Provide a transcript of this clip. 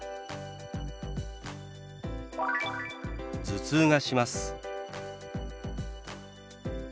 「頭痛がします」。